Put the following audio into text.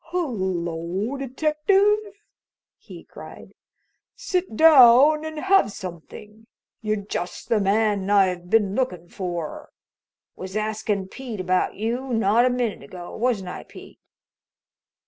"Hello, detective!" he cried. "Sit down and have something! You're just the man I've been lookin' for. Was askin' Pete about you not a minute ago wasn't I, Pete?"